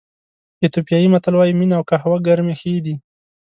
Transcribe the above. ایتیوپیایي متل وایي مینه او قهوه ګرمې ښې دي.